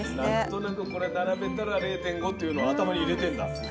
何となくこれ並べたら０．５っていうの頭に入れてんだ。